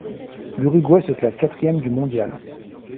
L'Uruguay se classe quatrième du mondial.